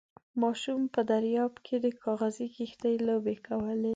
ماشوم په درياب کې د کاغذي کښتۍ لوبې کولې.